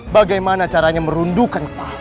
bagaimana caranya merundukan kepala